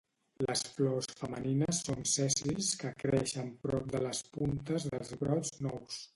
Les flors femenines són sèssils que creixen prop de les puntes dels brots nous